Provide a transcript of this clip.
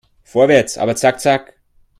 Vorwärts, aber zack zack!